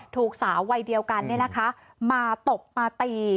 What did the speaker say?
ถูกสาววัยเดียวกันมาตบมาตี